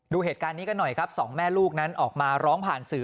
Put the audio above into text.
ดูเหตุการณ์นี้กันหน่อยครับสองแม่ลูกนั้นออกมาร้องผ่านสื่อ